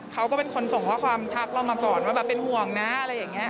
เขาก็เป็นคนส่งข้อความทักเรามาก่อนว่าแบบเป็นห่วงนะอะไรอย่างนี้